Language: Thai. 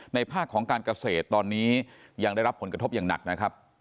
ภาคของการเกษตรตอนนี้ยังได้รับผลกระทบอย่างหนักนะครับ